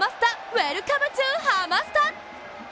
ウェルカム・トゥ・ハマスタ！